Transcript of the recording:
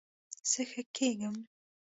زه ښه کیږم